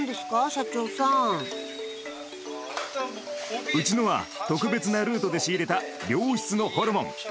社長さんうちのは特別なルートで仕入れた良質のホルモン。